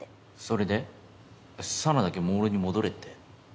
それで紗奈だけモールに戻れって？